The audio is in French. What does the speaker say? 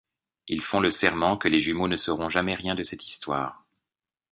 Ils font le serment que les jumeaux ne sauront jamais rien de cette histoire.